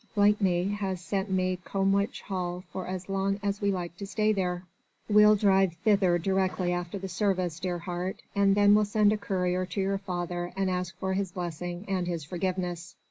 "Blakeney has lent me Combwich Hall for as long as we like to stay there. We'll drive thither directly after the service, dear heart, and then we'll send a courier to your father and ask for his blessing and his forgiveness."